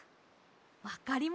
わかりました。